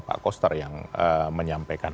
pak koster yang menyampaikan